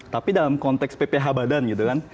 tapi dalam konteks pph badan gitu kan